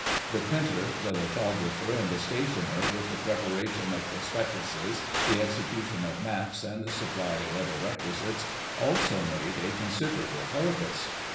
The printer, the lithographer, and the stationer, with the preparation of pros pectuses, the execution of maps, and the supply of other requisites, also made a considerable harvest.